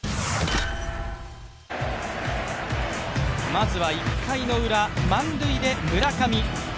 まずは１回のウラ、満塁で村上。